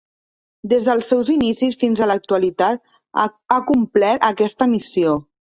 Des dels seus inicis fins a l'actualitat ha acomplert aquesta missió.